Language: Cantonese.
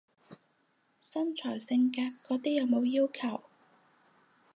身材性格嗰啲冇要求？